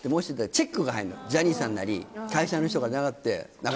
ジャニーさんなり会社の人が。